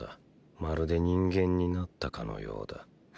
まるで人間になったかのようだ。